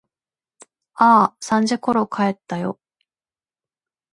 ああ、三時ころ帰ったよ。